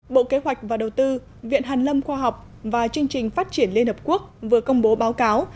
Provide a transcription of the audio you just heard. bộ kế hoạch và đầu tư viện hàn lâm khoa học và chương trình phát triển liên hợp quốc vừa công bố báo cáo